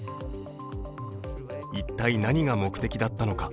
一体、何が目的だったのか。